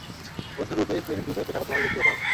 বন্ধু রূপে প্রেমিক রূপে পেশাগতভাবে, ব্যক্তিগতভাবে।